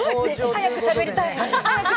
早くしゃべりたい。